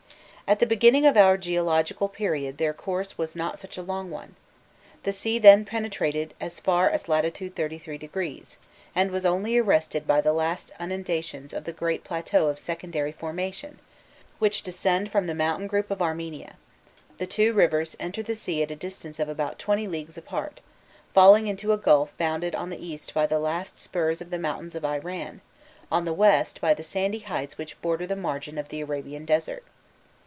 At the beginning of our geological period their course was not such a long one. The sea then penetrated as far as lat. 33 deg., and was only arrested by the last undulations of the great plateau of secondary formation, which descend from the mountain group of Armenia: the two rivers entered the sea at a distance of about twenty leagues apart, falling into a gulf bounded on the east by the last spurs of the mountains of Iran, on the west by the sandy heights which border the margin of the Arabian Desert.